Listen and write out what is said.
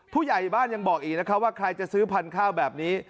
ผู้ใหญ่บ้านยังบอกอีกนะคะว่าใครจะซื้อพันธุ์ข้าวแบบนี้